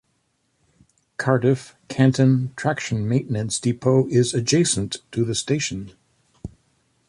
Cardiff Canton Traction Maintenance Depot is adjacent to the station.